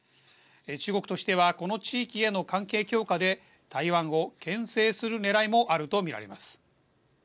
中国としてはこの地域への関係強化で台湾をけん制するねらいもあるとみられます。